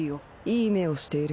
いい目をしている。